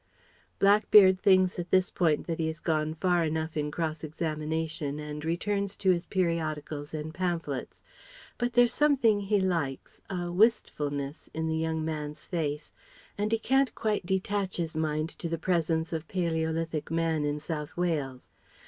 Blackbeard thinks at this point that he has gone far enough in cross examination and returns to his periodicals and pamphlets. But there's something he likes a wistfulness in the young man's face, and he can't quite detach his mind to the presence of palæolithic man in South Wales.